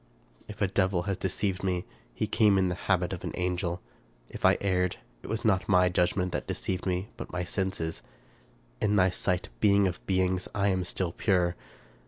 If a devil has deceived me, he came in the habit of an angel. HI erred, it was not my judgment that deceived me, but my senses. In thy sight. Being of beings! I am still pure.